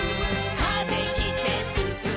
「風切ってすすもう」